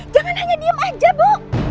jangan hanya diem aja bu